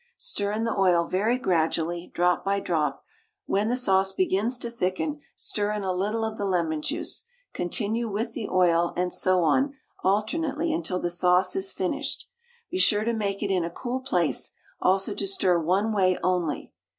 Stir in the oil very gradually, drop by drop; when the sauce begins to thicken stir in a little of the lemon juice, continue with the oil, and so on alternately until the sauce is finished. Be sure to make it in a cool place, also to stir one way only.